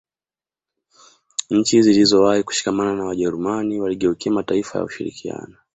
Nchi zilizowahi kushikamana na Wajerumani waligeukia mataifa ya ushirikiano